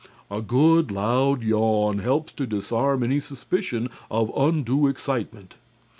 A good, loud yawn helps to disarm any suspicion of undue excitement.